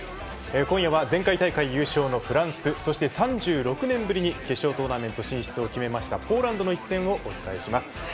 今夜は前回大会優勝のフランスそして、３６年ぶりに決勝トーナメント進出を決めましたポーランドの一戦をお伝えします。